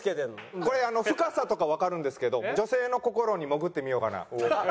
これ深さとかわかるんですけど女性の心に潜ってみようかな。